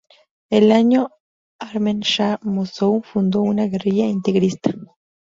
Ese año Ahmed Shah Massoud fundó una guerrilla integrista.